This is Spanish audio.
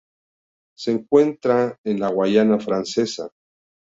Se encuentra en la Guayana francesa.